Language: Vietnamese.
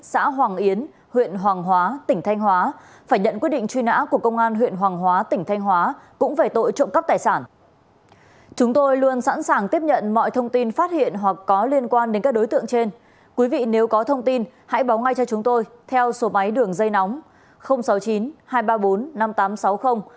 xã hoàng yến huyện hoàng hóa tỉnh thanh hóa phải nhận quyết định truy nã